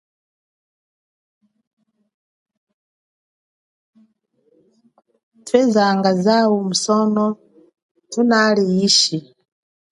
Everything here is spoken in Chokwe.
Thwezanga zawu musono thunali ishi.